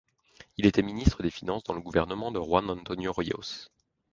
Il était ministre des Finances dans le gouvernement de Juan Antonio Ríos.